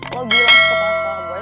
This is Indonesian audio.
lu bilang suka sama sekolah boys